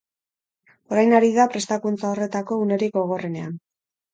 Orain ari da prestakuntza horretako unerik gogorrenean.